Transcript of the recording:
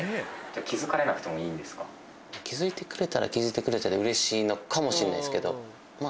気付いてくれたら気付いてくれたでうれしいのかもしれないですけどまぁ。